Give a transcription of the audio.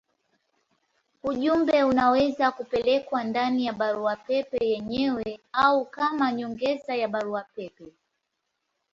Ujumbe unaweza kupelekwa ndani ya barua pepe yenyewe au kama nyongeza ya barua pepe.